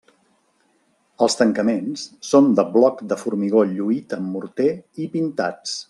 Els tancaments són de bloc de formigó lluït amb morter i pintats.